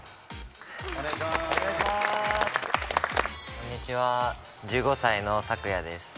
こんにちは１５歳のサクヤです。